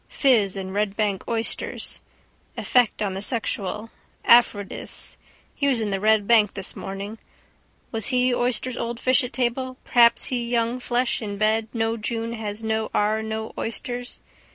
Fizz and Red bank oysters. Effect on the sexual. Aphrodis. He was in the Red Bank this morning. Was he oysters old fish at table perhaps he young flesh in bed no June has no ar no oysters.